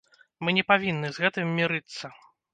Мы не павінны з гэтым мірыцца!